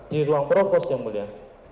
di ruang propos yang mulia